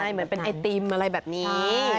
เหมือนเป็นไอติมอะไรแบบนี้